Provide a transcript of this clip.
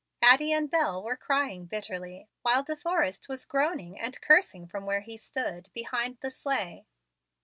Addie and Bel were crying bitterly, while De Forrest was groaning and cursing from where he stood, behind the sleigh.